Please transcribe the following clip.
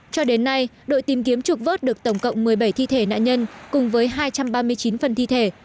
cho đến nay đội tìm kiếm trục vớt được tổng cộng một mươi bảy thi thể nạn nhân cùng với hai trăm ba mươi chín phần thi thể